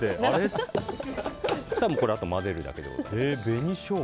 そうしたらあとは混ぜるだけでございます。